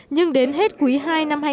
nhưng đến hết quý ii năm hai nghìn hai mươi